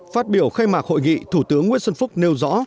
phát biểu khai mạc hội nghị thủ tướng nguyễn xuân phúc nêu rõ